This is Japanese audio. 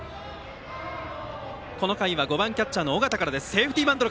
この回は５番キャッチャーの尾形から。